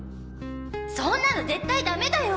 そんなの絶対ダメだよ！